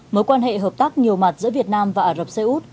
mối quan hệ hợp tác nhiều mặt giữa việt nam và ả rập xê út